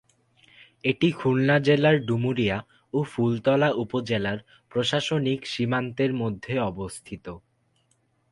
এটি খুলনা জেলার ডুমুরিয়া ও ফুলতলা উপজেলার প্রশাসনিক সীমান্তের মধ্যে অবস্থিত।